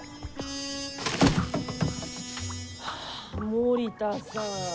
森田さん。